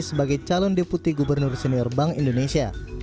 sebagai calon deputi gubernur senior bank indonesia